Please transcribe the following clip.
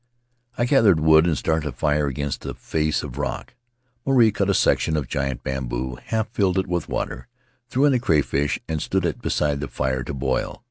I gathered wood and started a fire against a face of rock. Maruae cut a section of giant bamboo, half filled it with water, threw in the crayfish, and stood it beside the fire to boil.